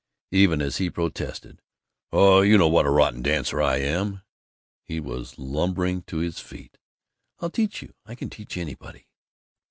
Even as he protested, "Oh, you know what a rotten dancer I am!" he was lumbering to his feet. "I'll teach you. I can teach anybody."